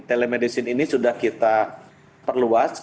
telemedicine ini sudah kita perluas